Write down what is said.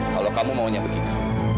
kalau kamu maunya begitu